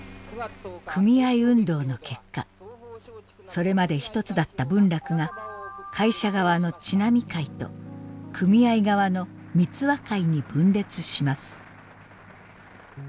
組合運動の結果それまで一つだった文楽が会社側の因会と組合側の三和会に分裂します。